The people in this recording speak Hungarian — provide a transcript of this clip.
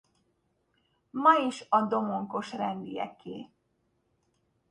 Ma is a domonkos rendieké.